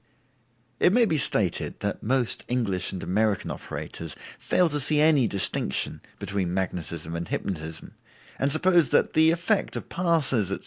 It may be stated that most English and American operators fail to see any distinction between magnetism and hypnotism, and suppose that the effect of passes, etc.